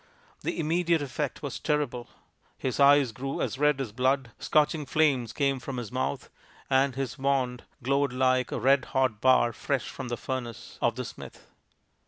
The immediate effect was terrible. His eyes grew as red as blood, scorching flames came from his mouth, and his wand glowed like a red hot bar fresh from the furnace of the smith.